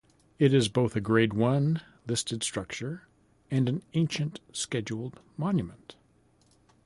It is both a Grade One listed structure and an ancient scheduled monument.